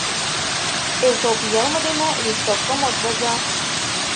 Эзоп йылме дене листовкым от возо.